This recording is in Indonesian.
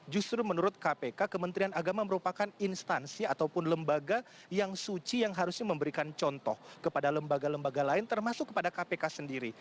justru menurut kpk kementerian agama merupakan instansi ataupun lembaga yang suci yang harusnya memberikan contoh kepada lembaga lembaga lain termasuk kepada kpk sendiri